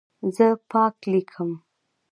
زه پاک لیکم.